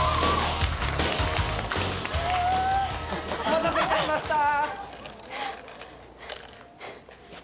・お待たせいたしました！